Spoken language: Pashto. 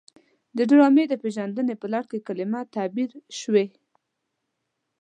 د ډرامې د پیژندنې په لړ کې کلمه تعبیر شوې.